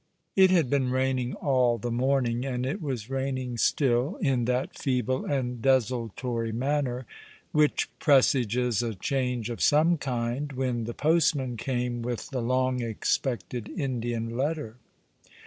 It had been raining all Vae morning, and it was raining still in that feeble and desultory manner which presages a change of some kind, when the postman came with the long expected Indian letter.